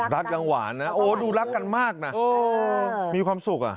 รักยังหวานนะโอ้ดูรักกันมากนะมีความสุขอ่ะ